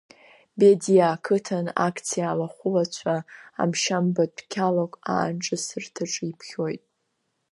Бедиа ақыҭан акциа алахәылацәа амшьамбатә қьалатә аанҿасырҭаҿы иԥхьоит.